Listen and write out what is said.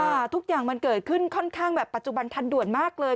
ทุกอย่างมันเกิดขึ้นค่อนข้างแบบปัจจุบันทันด่วนมากเลย